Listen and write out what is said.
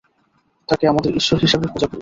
তাকে আমাদের ঈশ্বর হিসাবে পূজা করি।